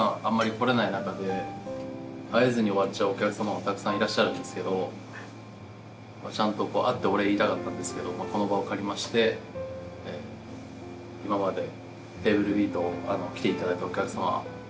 あんまり来られないなかで会えずに終わっちゃうお客様もたくさんいらっしゃるんですけどちゃんと会ってお礼言いたかったんですけどこの場を借りまして今までｔａｂｌｅｂｅｅｔを来ていただいたお客様